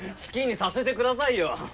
好きにさせてくださいよ！